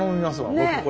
僕これ。